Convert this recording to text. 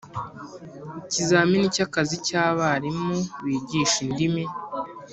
Ikizamini cy akazi cy abarimu bigisha indimi